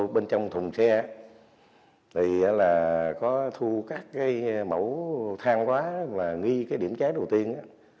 ở bên trong thùng xe thì có thu các cái mẫu thang hóa và nghi cái điểm trái đầu tiên